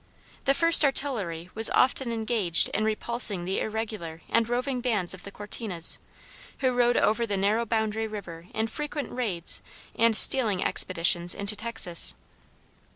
The First Artillery was often engaged in repulsing the irregular and roving bands of Cortinas, who rode over the narrow boundary river in frequent raids and stealing expeditions into Texas.